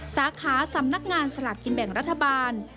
สาขาสำนักงานสลากกินแบ่งรัฐบาล